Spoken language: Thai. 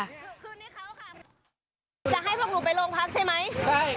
หนูคืนให้เขาค่ะจะให้พวกหนูไปโรงพักใช่ไหมใช่